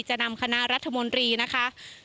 จะนำคณะรัฐมนตรีนะคะ